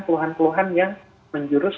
keluhan keluhan yang menjurus